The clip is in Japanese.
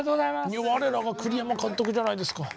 我らが栗山監督じゃないですか！